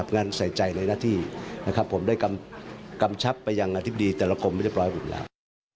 งั้นใส่ใจในหน้าที่ผมได้กำชับไปยังอธิบดีแต่ละกลมไม่ได้ปล่อยบุญแล้ว